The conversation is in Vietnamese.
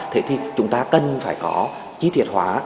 thì chúng ta cần phải có chi tiết hóa